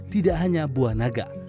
tidak hanya buah naga